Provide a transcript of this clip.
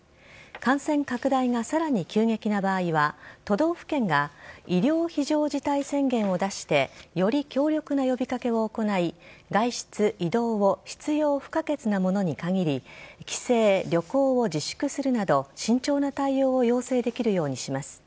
感染拡大がさらに急激な場合は都道府県が医療非常事態宣言を出してより強力な呼び掛けを行い外出、移動を必要不可欠なものに限り帰省、旅行を自粛するなど慎重な対応を要請できるようにします。